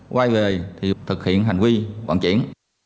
quay về thì thực hiện hành vi vận chuyển